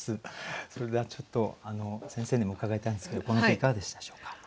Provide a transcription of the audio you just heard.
それではちょっと先生にも伺いたいんですけどこの句いかがでしたでしょうか。